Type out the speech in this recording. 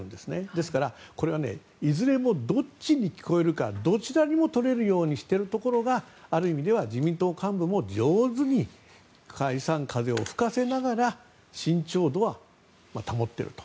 ですから、これはいずれもどっちに聞こえるかどちらにも取れるようにしているところがある意味では自民党幹部も上手に解散風を吹かせながら慎重度は保っていると。